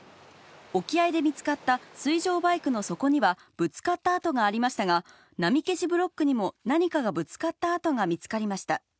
沖合で見つかった水上バイクの底にはぶつかった跡がありましたが、波消しブロックにも何かがぶつかった跡が見つかりました。